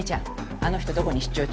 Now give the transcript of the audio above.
あの人どこに出張中？